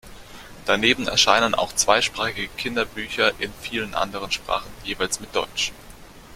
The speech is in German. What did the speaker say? Daneben erscheinen auch zweisprachige Kinderbücher in vielen anderen Sprachen, jeweils mit Deutsch.